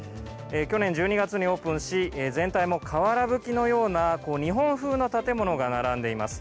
去年１２月にオープンし全体も瓦ぶきのような日本風の建物が並んでいます。